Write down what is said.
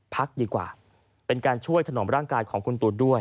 พักดีกว่าเป็นการช่วยถนอมร่างกายของคุณตูนด้วย